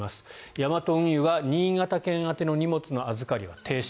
ヤマト運輸は新潟県宛ての荷物の預かりは停止。